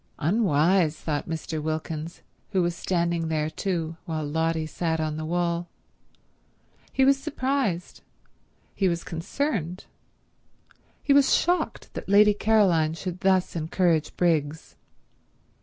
"Unwise," thought Mr. Wilkins, who was standing there too, while Lotty sat on the wall. He was surprised, he was concerned, he was shocked that Lady Caroline should thus encourage Briggs.